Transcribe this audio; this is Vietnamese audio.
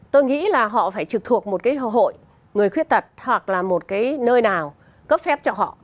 tôi nghĩ là họ phải trực thuộc một cái hội người khuyết tật hoặc là một cái nơi nào cấp phép cho họ